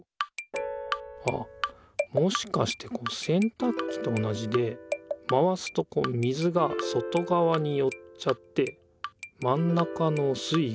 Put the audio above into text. あっもしかしてせんたくきと同じで回すとこう水が外がわによっちゃってまん中の水いが下がる。